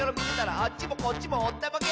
「あっちもこっちもおったまげ！」